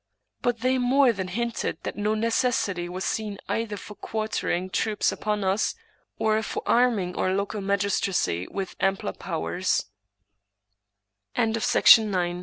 But they more than hinted that no necessity was seen either for quartering troops upon us, or for arming our local magis tracy with ampler po